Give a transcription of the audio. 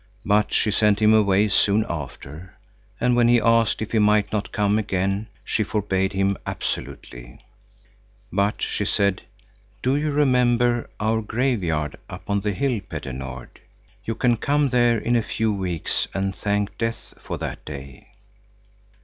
But she sent him away soon after, and when he asked if he might not come again, she forbade him absolutely. "But," she said, "do you remember our graveyard up on the hill, Petter Nord. You can come there in a few weeks and thank death for that day."